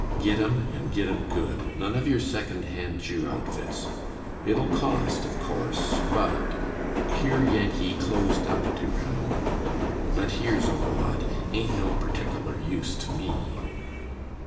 Git 'em and git 'em good; none of your second hand Jew outfits. It'll cost, of course, but (here Yankee closed up to Ranald) but here's a wad; ain't no pertickaler use to me."